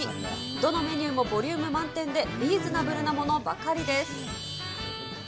どのメニューもボリューム満点で、リーズナブルなものばかりです。